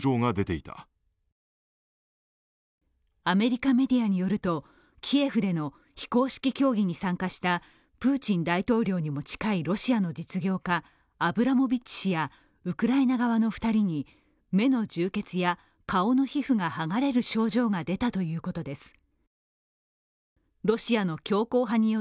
アメリカメディアによると、キエフでの非公式協議に参加したプーチン大統領にも近いロシアの実業家、アブラモビッチ氏やウクライナ側の２人に目の充血や顔の皮膚が剥がれる症状が出たということです。